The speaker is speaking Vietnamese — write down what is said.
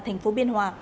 thành phố biên hòa